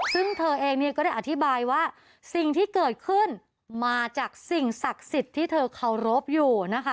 ซึ่งเธอเองเนี่ยก็ได้อธิบายว่าสิ่งที่เกิดขึ้นมาจากสิ่งศักดิ์สิทธิ์ที่เธอเคารพอยู่นะคะ